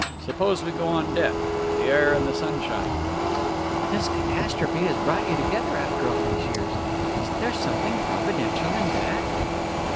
Suppose we go on deck? The air and the sunshine " "But this catastrophe has brought you together after all these years. Isn't there something providential in that?"